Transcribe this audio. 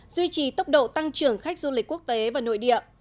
duy trì tốc độ tăng trưởng khách du lịch quốc tế và nội địa